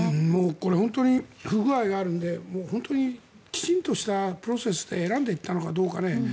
これ、本当に不具合があるので本当にきちんとしたプロセスで選んでいったのかね。